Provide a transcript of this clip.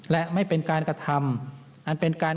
และไม่เป็นการกระทำ